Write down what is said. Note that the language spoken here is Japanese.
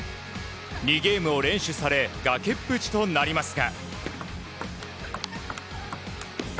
２ゲームを連取され崖っぷちとなりますが。